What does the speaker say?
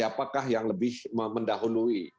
apakah yang lebih mendahului